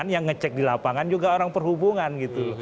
yang ngecek di lapangan juga orang perhubungan gitu